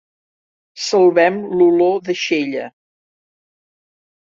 Salvem l'olor d'aixella